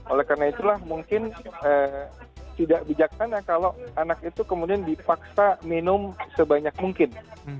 oleh karena itulah mungkin tidak bijaksana kalau anak itu kemudian dipaksa minum sebanyak mungkin